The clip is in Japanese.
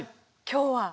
今日は。